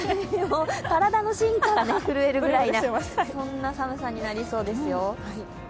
体の芯から震えるくらいのそんな寒さになりそうですよ。